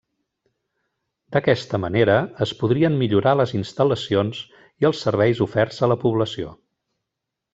D'aquesta manera es podrien millorar les instal·lacions i els serveis oferts a la població.